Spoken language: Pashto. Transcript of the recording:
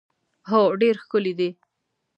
هو ډېر ښکلی دی.